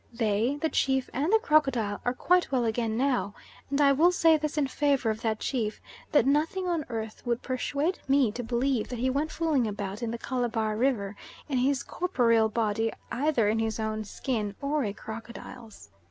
They, the chief and the crocodile, are quite well again now, and I will say this in favour of that chief, that nothing on earth would persuade me to believe that he went fooling about in the Calabar River in his corporeal body, either in his own skin or a crocodile's.